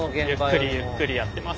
ゆっくりゆっくりやってます